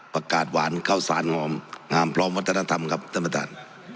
อากาศหวานเข้าสารงอมงามพร้อมวัฒนธรรมครับท่านประธาน